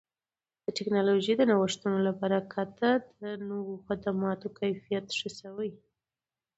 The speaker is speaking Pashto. د ټکنالوژۍ د نوښتونو له برکته د نوو خدماتو کیفیت ښه شوی دی.